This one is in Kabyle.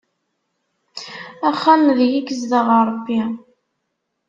Axxam deg i yezdeɣ Ṛebbi.